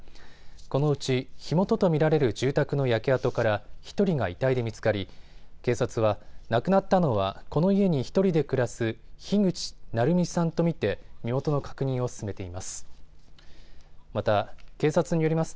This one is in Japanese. このうち火元と見られる住宅の焼け跡から１人が遺体で見つかり警察は、亡くなったのはこの家に１人で暮らす樋口ナルミさんと見て身元の確認を進めています。